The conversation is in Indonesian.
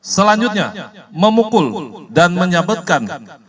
selanjutnya memukul dan menyabetkan